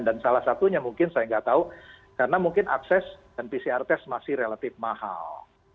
dan salah satunya mungkin saya tidak tahu karena mungkin akses dan pcr test masih relatif mahal